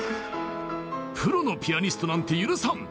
プロのピアニストなんて許さん！